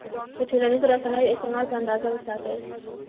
د ټولنیزو رسنیو استعمال په اندازه وساتئ.